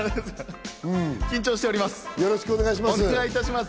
緊張しております。